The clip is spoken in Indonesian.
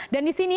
dan di sini